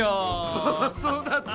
あっそうだった。